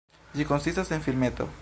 Ĝi konsistas en filmeto.